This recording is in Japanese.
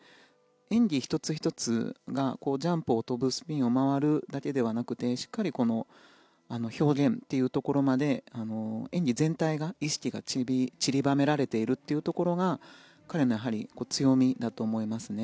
演技１つ１つが、ジャンプを跳ぶスピンを回るだけではなくてしっかり表現まで演技全体が意識がちりばめられているというところが彼の強みだと思いますね。